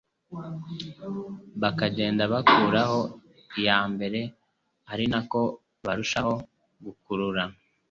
bakagenda bakuraho iya mbere ari nako barushaho gukurura ,